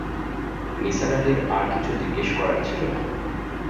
নিসার আলির আর কিছু জিজ্ঞেস করার ছিল না।